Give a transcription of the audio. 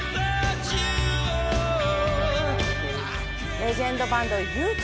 レジェンドバンド、Ｕ２。